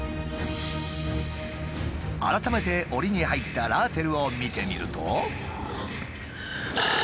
改めてオリに入ったラーテルを見てみると。